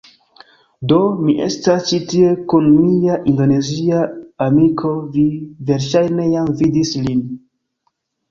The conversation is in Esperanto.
Do, mi estas ĉi tie kun mia Indonezia amiko vi verŝajne jam vidis lin